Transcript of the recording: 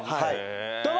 どうも！